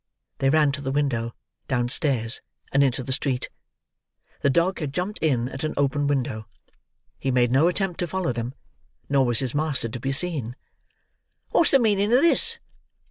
They ran to the window, downstairs, and into the street. The dog had jumped in at an open window; he made no attempt to follow them, nor was his master to be seen. "What's the meaning of this?"